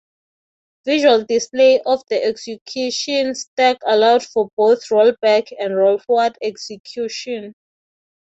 Visual display of the execution stack allowed for both roll-back and roll-forward execution.